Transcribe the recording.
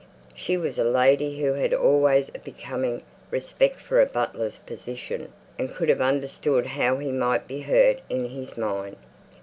She was a lady who had always a becoming respect for a butler's position, and could have understood how he might be hurt in his mind.